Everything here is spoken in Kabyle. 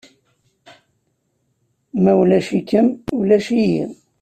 Ma ulac-ikem, ulac-iyi.